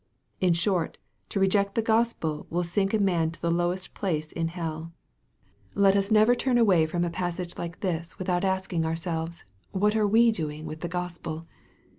In short to reject the Gospel will sink a man to the lowest place in hell. Let us never turn away from a passage like this without MAKE, CHAP. VI. 115 asking ourselves, What are we doing with the Gospel